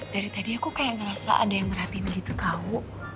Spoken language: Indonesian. dari tadi aku kayak ngerasa ada yang ngerhatiin begitu kau